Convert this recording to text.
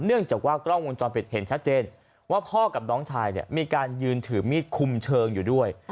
จากว่ากล้องวงจรปิดเห็นชัดเจนว่าพ่อกับน้องชายเนี่ยมีการยืนถือมีดคุมเชิงอยู่ด้วย